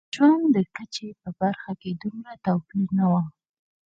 د ژوند کچې په برخه کې دومره توپیر نه و.